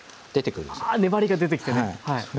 あ粘りが出てきてね。